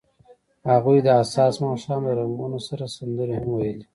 هغوی د حساس ماښام له رنګونو سره سندرې هم ویلې.